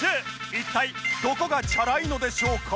一体どこがチャラいのでしょうか？